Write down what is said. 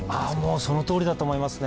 そのとおりだと思いますね。